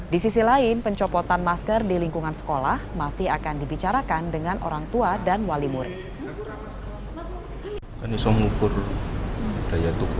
di sisi lain pencopotan masker di lingkungan sekolah masih akan dibicarakan dengan orang tua dan wali murid